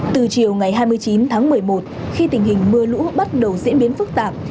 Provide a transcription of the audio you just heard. từ chiều ngày hai mươi chín tháng một mươi một khi tình hình mưa lũ bắt đầu diễn biến phức tạp